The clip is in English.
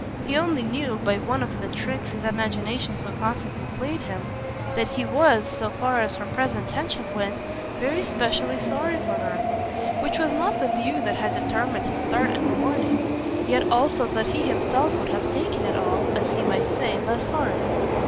He only knew, by one of the tricks his imagination so constantly played him, that he was, so far as her present tension went, very specially sorry for her which was not the view that had determined his start in the morning; yet also that he himself would have taken it all, as he might say, less hard.